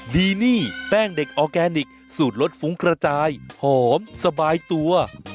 ดีนี่แป้งเด็กออร์แกนิคสูตรรสฟุ้งกระจายหอมสบายตัว